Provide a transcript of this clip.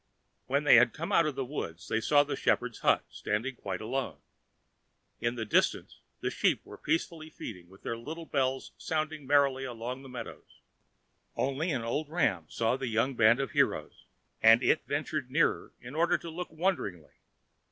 When they had come out of the wood they saw the shepherd's hut standing quite alone; in the distance the sheep were peacefully feeding, and their little bells sounded merrily along the meadows. Only an old ram saw the young band of heroes, and it ventured nearer in order to look wonderingly.